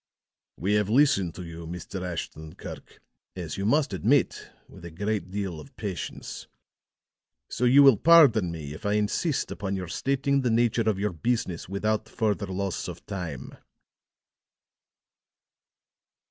"We have listened to you, Mr. Ashton Kirk, as you must admit, with a great deal of patience. So you will pardon me if I insist upon your stating the nature of your business without further loss of time."